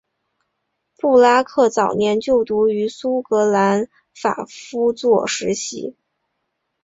布拉克早年就读于苏格兰法夫作实习。